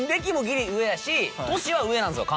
年は上なんですよ